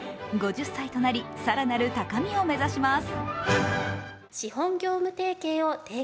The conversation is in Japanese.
５０歳となり、更なる高みを目指します。